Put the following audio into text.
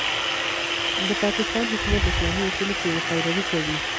د پاکستان حکومت د اسلامي اصولو پيروي کوي.